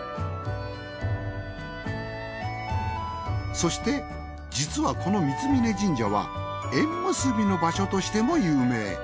そして実はこの三峯神社は縁結びの場所としても有名。